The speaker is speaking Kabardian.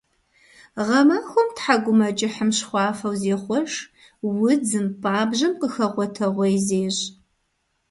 Гъэмахуэм тхьэкIумэкIыхьым щхъуафэу зехъуэж, удзым, пабжьэм къыхэгъуэтэгъуей зещI.